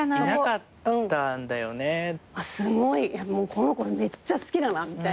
この子めっちゃ好きだなみたいな。